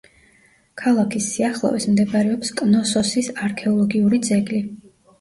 ქალაქის სიახლოვეს მდებარეობს კნოსოსის არქეოლოგიური ძეგლი.